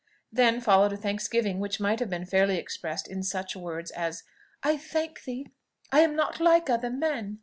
Then followed a thanksgiving which might have been fairly expressed in such words as "I thank thee, I am not like other men!"